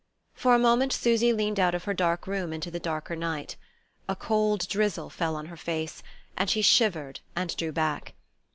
For a moment Susy leaned out of her dark room into the darker night. A cold drizzle fell on her face, and she shivered and drew back.